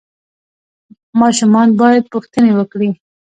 ماشومان باید پوښتنې وکړي.